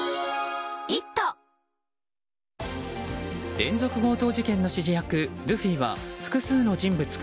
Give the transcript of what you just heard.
連続強盗事件の指示役ルフィは複数の人物か。